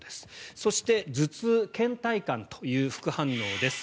そして頭痛、けん怠感という副反応です。